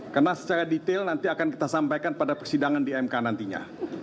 karena secara detail nanti akan kita sampaikan pada persidangan di mk nantinya